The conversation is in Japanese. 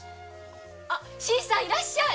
新さんいらっしゃい。